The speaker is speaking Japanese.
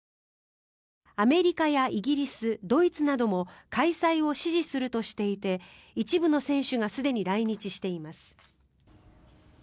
アメリカやイギリスドイツなども開催を支持するとしていて一部の選手がすでに来日しています。